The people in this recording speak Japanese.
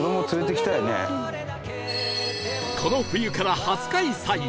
この冬から初開催